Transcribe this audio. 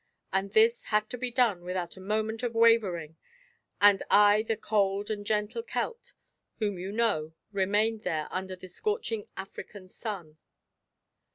And this had to be done without a moment of wavering, and I the cold and gentle Celt, whom you know, remained there, under the scorching African sun.